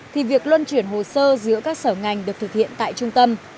thì việc luân chuyển hồ sơ giữa các sở ngành được thực hiện tại trung tâm